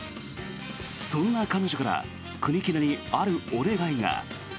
そんな彼女から国木田にあるお願いが。